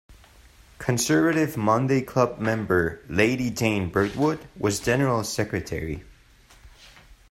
Conservative Monday Club member Lady Jane Birdwood was General Secretary.